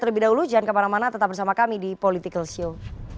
kalau ada yang ingin bisa jadi kita barang mana tetap bersama kami di politikal show